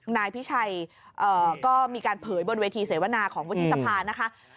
นายพิชัยก็มีการเผยบนเวทีเสวนาของวุฒิสภานะคะ